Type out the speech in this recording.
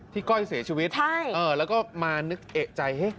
ก้อยเสียชีวิตแล้วก็มานึกเอกใจ